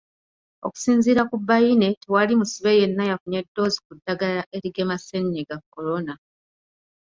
Okusinziira ku Baine tewali musibe yenna yafunye ddoozi ku ddagala erigema Ssennyiga Corona.